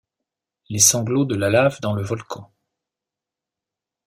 Les sanglots de la lave dans le volcan.